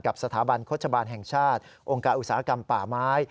สถาบันโฆษบาลแห่งชาติองค์การอุตสาหกรรมป่าไม้